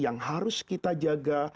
yang harus kita jaga